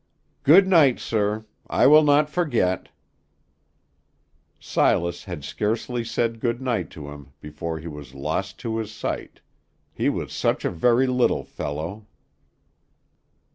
"Good night, sir. I will not forget." Silas had scarcely said good night to him before he was lost to his sight, he was such a very little fellow.